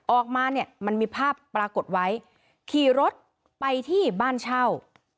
ออกมาเนี่ยมันมีภาพปรากฏไว้ขี่รถไปที่บ้านเช่า